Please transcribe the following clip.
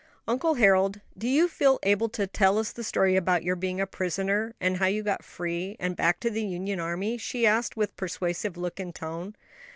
"Uncle Harold, do you feel able to tell us the story about your being a prisoner, and how you got free, and back to the Union army?" she asked, with persuasive look and tone.